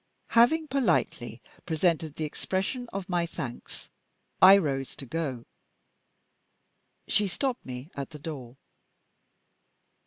Having politely presented the expression of my thanks, I rose to go. She stopped me at the door.